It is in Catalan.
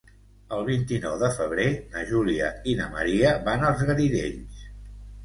El vint-i-nou de febrer na Júlia i na Maria van als Garidells.